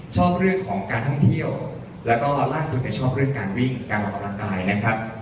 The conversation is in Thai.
ชอบเรื่องของการท่องเที่ยวแล้วก็ล่าสุดเนี่ยชอบเรื่องการวิ่งการออกกำลังกายนะครับ